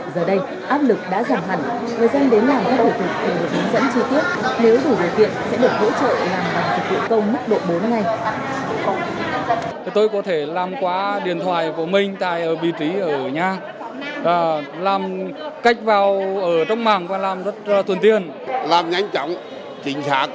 giờ đây áp lực đã giảm hẳn người dân đến làm các hội tục để được hướng dẫn chi tiết